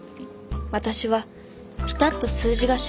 私はピタッと数字が締まる